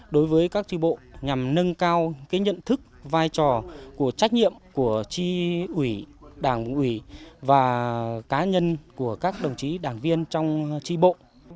đối với các tri bộ nhằm nâng cao nhận thức vai trò của trách nhiệm của tri ủy đảng ủy và cá nhân của các đồng chí đảng viên trong tri bộ